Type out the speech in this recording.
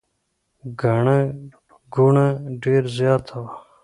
ګڼه ګوڼه ډېره زیاته وه.